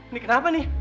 ini kenapa nih